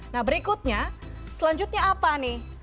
nah berikutnya selanjutnya apa nih